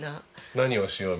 何をしよう？